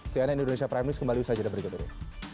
siannya indonesia prime news kembali bersajar di berikut ini